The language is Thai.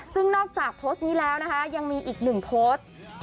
ซึ่งนอกจากโพสต์นี้แล้วนะคะยังมีอีกหนึ่งโพสต์